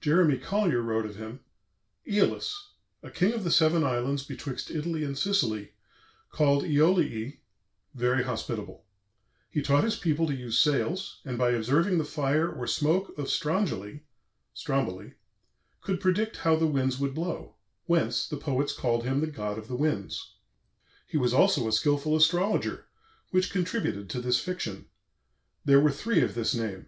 Jeremy Collier wrote of him: "Æolus, a king of the seven islands betwixt Italy and Sicily called Æoliæ, very Hospitable, he taught his People to use Sails, and by observing the Fire or Smoak of Strongyle (Stromboli) could predict how the Winds would blow, whence the Poets call'd him the God of the Winds. He was also a skilful Astrologer, which contributed to this Fiction. There were Three of this Name."